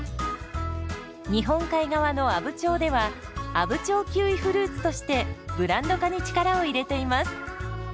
日本海側の阿武町では「阿武町キウイフルーツ」としてブランド化に力を入れています。